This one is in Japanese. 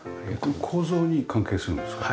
構造に関係するんですか？